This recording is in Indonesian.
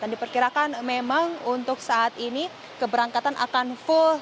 dan diperkirakan memang untuk saat ini keberangkatan akan full